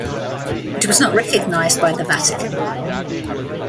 It was not recognized by the Vatican.